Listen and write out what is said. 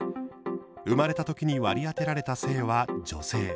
生まれた時に割り当てられた性は女性。